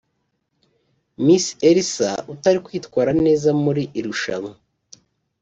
Miss Elsa utari kwitwara neza muri irushanwa